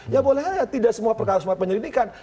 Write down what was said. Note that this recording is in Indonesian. ya boleh aja tidak semua perkara semua penyelidikan